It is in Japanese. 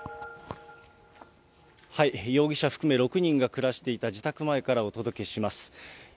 容疑者含め６人が暮らしていた自宅前からお届けします。